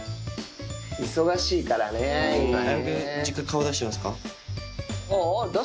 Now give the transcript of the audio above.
忙しいからね今ね。